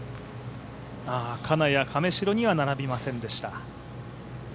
金谷、亀代には並びませんでした。